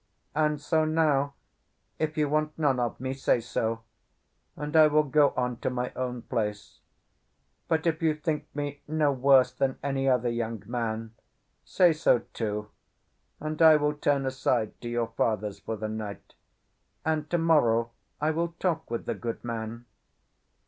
And so now, if you want none of me, say so, and I will go on to my own place; but if you think me no worse than any other young man, say so, too, and I will turn aside to your father's for the night, and to morrow I will talk with the good man."